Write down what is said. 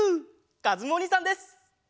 かずむおにいさんです！